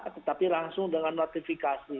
tetapi langsung dengan notifikasi